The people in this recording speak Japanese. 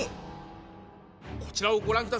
こちらをご覧ください。